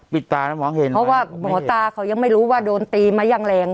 ปิดตาแล้วมองเห็นเพราะว่าหมอตาเขายังไม่รู้ว่าโดนตีมาอย่างแรง